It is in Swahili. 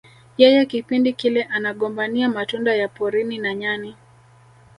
Yeye kipindi kile anagombania matunda ya porini na nyani